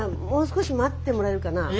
もう少し待ってもらえるかな？